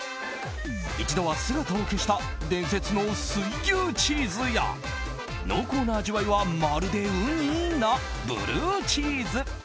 一度は姿を消した伝説の水牛チーズや濃厚な味わいはまるでウニ？なブルーチーズ。